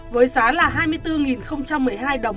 với giá là hai mươi bốn một mươi hai đồng